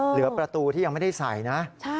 เหลือประตูที่ยังไม่ได้ใส่นะ